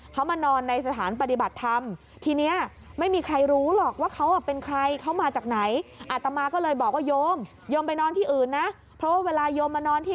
เขามานอนในสถานปฏิบัติธรรม